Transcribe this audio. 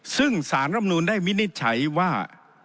ซึ่งสารรำนูนได้วินิจฉัยว่า